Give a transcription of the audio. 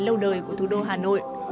lâu đời của thủ đô hà nội